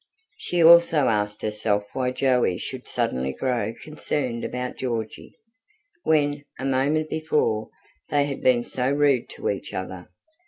She also asked herself why Joey should suddenly grow concerned about Georgy, when, a moment before, they had been so rude to each other.